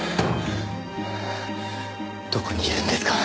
どこにいるんですか？